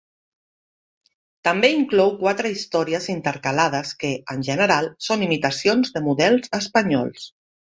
També inclou quatre històries intercalades que, en general, són imitacions de models espanyols.